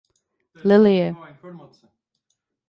Lilie.